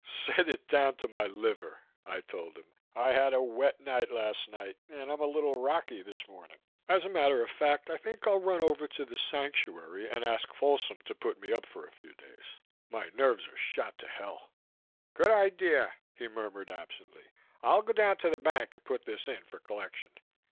"Set it down to my liver," I told him. "I had a wet night last night and am a little rocky this morning. As a matter of fact, I think I'll run over the The Sanctuary and ask Folsom to put me up for a few days. My nerves are shot to hell." "Good idea," he murmured absently. "I'll go down to the bank and put this in for collection.